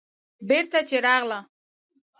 بېرته چې راغله.